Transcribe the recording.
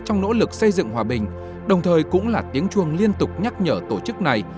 trong nỗ lực xây dựng hòa bình đồng thời cũng là tiếng chuông liên tục nhắc nhở tổ chức này